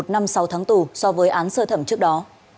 một năm sáu tháng tù so với án sơ thẩm trước đó